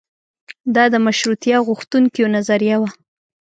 دا د مشروطیه غوښتونکیو نظریه وه.